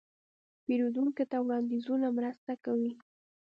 پیرودونکي ته وړاندیزونه مرسته کوي.